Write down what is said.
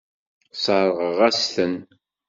Sseṛɣeɣ-as-ten.